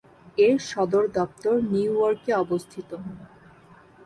এর সদর দপ্তর নিউ ইয়র্কে অবস্থিত।